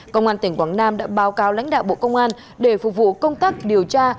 công an tỉnh quảng nam đã báo cáo lãnh đạo bộ công an để phục vụ công tác điều tra